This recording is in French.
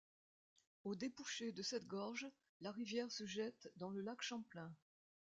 Au débouché de cette gorge, la rivière se jette dans le lac Champlain.